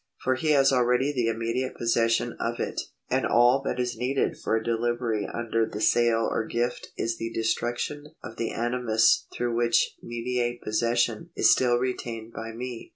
For he has already the immediate possession of it, and all that is needed for delivery under the sale or gift is the destruction of the animus through which mediate possession is still retained by me.